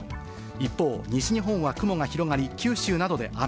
一方、西日本は雲が広がり、九州などで雨。